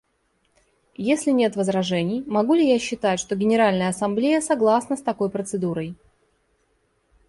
Если нет возражений, могу ли я считать, что Генеральная Ассамблея согласна с такой процедурой?